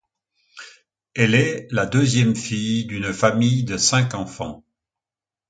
Elle est la deuxième fille d'une famille de cinq enfants.